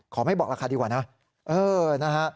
ไม่บอกราคาดีกว่านะ